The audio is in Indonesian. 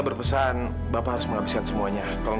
terima kasih ya sayang